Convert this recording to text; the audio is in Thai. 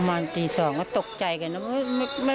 แม่ของแม่แม่ของแม่